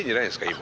今。